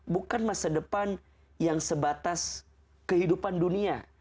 bukan masa depan yang sebatas kehidupan dunia